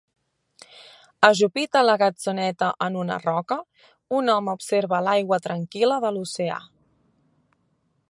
Ajupit a la gatzoneta en una roca, un home observa l'aigua tranquil·la de l'oceà